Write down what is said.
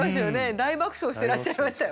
大爆笑してらっしゃいましたよ。